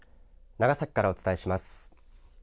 長崎からお伝えします。